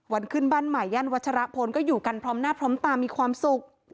ขึ้นบ้านใหม่ย่านวัชรพลก็อยู่กันพร้อมหน้าพร้อมตามีความสุข